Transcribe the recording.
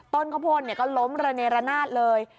ข้าวโพดก็ล้มระเนรนาศเลย